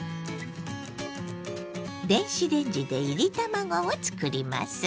電子レンジでいり卵を作ります。